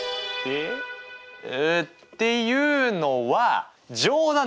っていうのは冗談ですね。